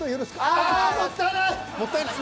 ああもったいない！